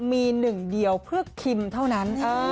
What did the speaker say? มีหนึ่งเดียวเพื่อคิมเท่านั้น